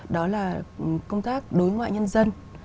đó là công tác đối ngoại nhân dân